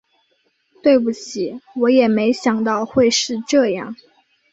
对不起，我也没想到会是这样